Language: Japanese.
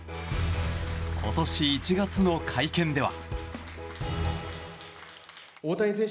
今年１月の会見では。